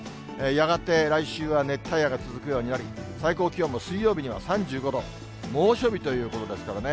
やがて来週は熱帯夜が続くようになり、最高気温も水曜日には３５度、猛暑日ということですからね。